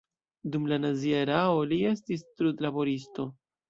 Dum la nazia erao li estis trudlaboristo.